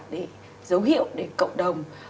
để dấu hiệu để cộng đồng